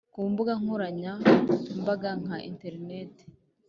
Kumbuga nkoranyambaga nka interineti